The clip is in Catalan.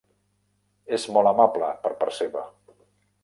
És molt amable per part seva!